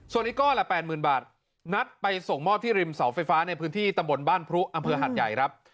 ส่วนอีกก้อนละ๘๐๐๐บาทนัดไปส่งมอบที่ริมเสาไฟฟ้าในพื้นที่ตำบลบ้านพรุอำเภอหัดใหญ่ครับ